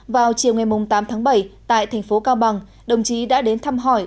vào chiều ngày tám tháng bảy tại thành phố cao bằng đồng chí đã đến thăm hỏi